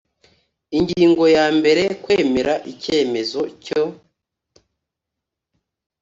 ingingo ya mbere kwemera icyemezo cyo